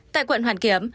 tại quận hoàn kiếm